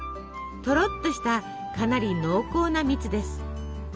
とろっとしたかなり濃厚な蜜です。